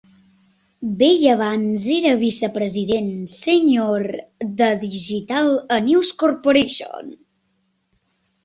Bell abans era vicepresident sènior de Digital a News Corporation.